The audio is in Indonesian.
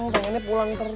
tangan nya pulang terus